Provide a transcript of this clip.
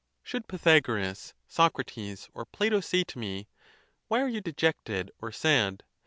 Should Pythagoras, Socrates, or Plato say to me, Why are you dejected or sad?